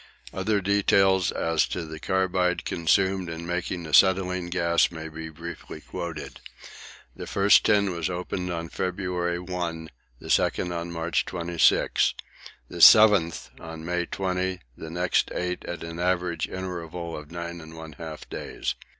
Other details as to the carbide consumed in making acetylene gas may be briefly quoted. The first tin was opened on February 1, the second on March 26. The seventh on May 20, the next eight at the average interval of 9 1/2 days.